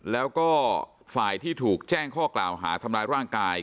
แล้วก็ฝ่ายที่ถูกแจ้งข้อกล่าวหาทำร้ายร่างกาย